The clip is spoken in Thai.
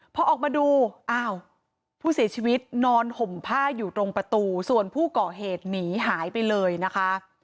พอออกมาดูอ้าวผู้เสียชีวิตนอนห่มผ้าอยู่ตรงประตูส่วนผู้ก่อเหตุหนีหายไปเลยนะคะ